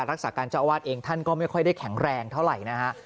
รักษาการเจ้าอาวาสเองท่านก็ไม่ค่อยได้แข็งแรงเท่าไหร่นะฮะ